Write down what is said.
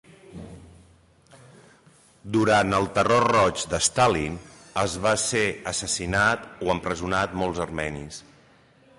Durant el Terror Roig de Stalin, es va ser assassinar o empresonar molts armenis.